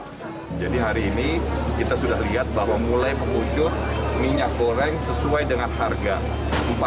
saat ini pedagang masih menghabiskan stok barang dengan harga lama